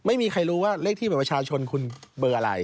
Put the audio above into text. ไม่มีใครรู้ว่าเลขที่บัตรประชาชนคุณเบอร์อะไร